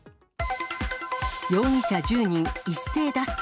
容疑者１０人一斉脱走。